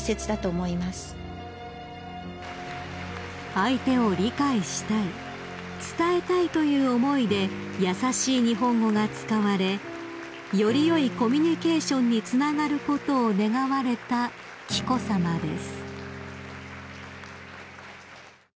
［相手を理解したい伝えたいという思いでやさしい日本語が使われより良いコミュニケーションにつながることを願われた紀子さまです］